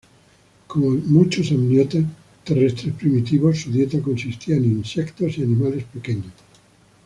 Como muchos amniotas terrestres primitivos, su dieta consistía en insectos y animales pequeños.